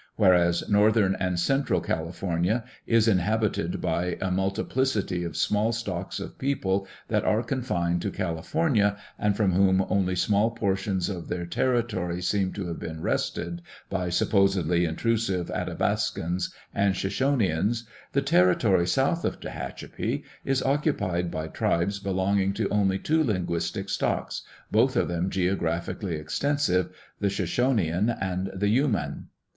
Whereas northern and central California is inhab 100 University of California Publications. [AM. ARCH. ETH. ited by a multiplicity of small stocks of people that are confined to California and from whom only small portions of their territory seem to have been wrested by supposedly intrusive Athabascans and Shoshoneans, the territory south of Tehachapi is occupied by tribes belonging to only two linguistic stocks, both of them geographically extensive, the Shoshonean and the Yuman.